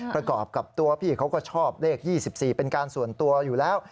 ประกอบกับตัวพี่เขาก็ชอบเลข๒๔เป็นการส่วนตัวอยู่แล้ว